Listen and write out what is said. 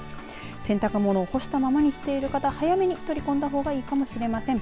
洗濯物を干したままにしている方は早めに取り込んだほうがいいかもしれません。